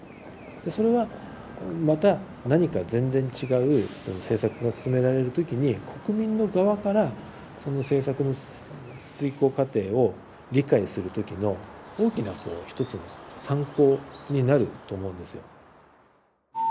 でそれはまた何か全然違う政策が進められる時に国民の側からその政策の遂行過程を理解する時の大きなこう一つの参考になると思うんですよ。